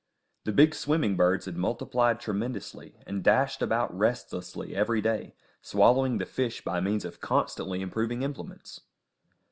The big swimming birds had multiplied tremendously, and dashed about restlessly every day, swallowing the fish by means of constantly improving implements.